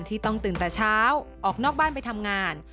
ที่ต้องตื่นแต่เช้าออกนอกบ้านไปทำงาน